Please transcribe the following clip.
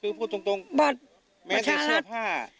คือพูดตรงบัตรแม้แต่เสื้อผ้า